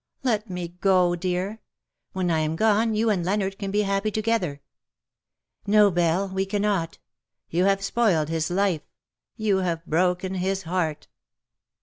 Let me go, dear. When I am gone you and Leonard can be happy to gether.^'' " No, BellCj we cannot. You have spoiled his life. You have broken his heart.'